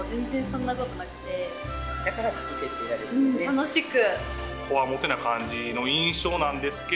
楽しく。